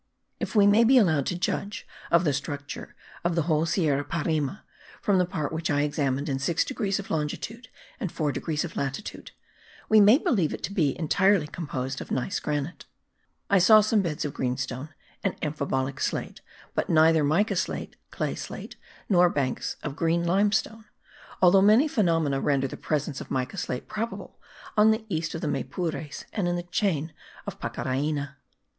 If we may be allowed to judge of the structure of the whole Sierra Parime, from the part which I examined in 6 degrees of longitude, and 4 degrees of latitude, we may believe it to be entirely composed of gneiss granite; I saw some beds of greenstone and amphibolic slate, but neither mica slate, clay slate, nor banks of green limestone, although many phenomena render the presence of mica slate probable on the east of the Maypures and in the chain of Pacaraina.